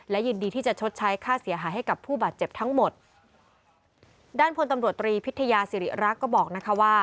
ยินดีที่จะชดใช้ค่าเสียหายให้กับผู้บาดเจ็บทั้งหมดด้านพลตำรวจตรีพิทยาศิริรักษ์ก็บอกนะคะว่า